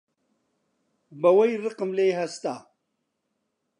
بە وەی ڕقم لێی هەستا